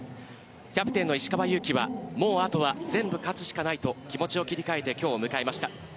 キャプテンの石川祐希はもう、あとは全部勝つしかないと気持ちを切り替えて今日を迎えました。